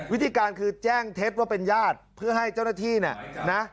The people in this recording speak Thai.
วิธีการคือแจ้งเท็จว่าเป็นญาติเพื่อให้เจ้าหน้าที่เนี่ยนะ